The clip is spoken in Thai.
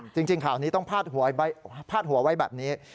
จริงข่าวนี้ต้องพาดหัวไว้แบบนี้